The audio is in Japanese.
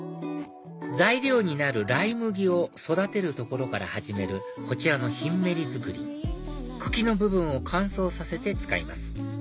材料になるライ麦を育てるところから始めるこちらのヒンメリ作り茎の部分を乾燥させて使います